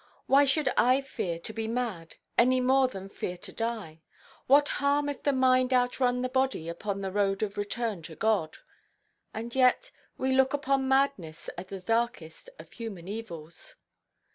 Why should I fear to be mad, any more than fear to die? What harm if the mind outrun the body upon the road of return to God? And yet we look upon madness as the darkest of human evils!